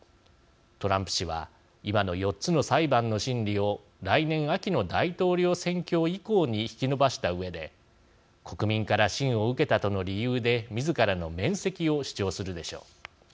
トランプ氏は今の４つの裁判の審理を来年秋の大統領選挙以降に引き延ばしたうえで国民から信を受けたとの理由でみずからの免責を主張するでしょう。